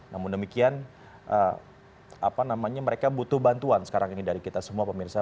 namun demikian mereka butuh bantuan sekarang ini dari kita semua pemirsa